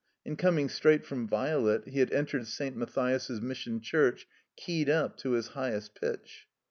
And, coming straight from Violet, he had entered St. Matthias's Mission Churob ke^ed up to his highest pitch.